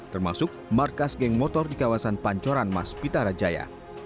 termasuk markas geng motor di kawasan pancoran mas pitarajaya